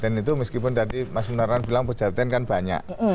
itu meskipun tadi mas munaran bilang pejaten kan banyak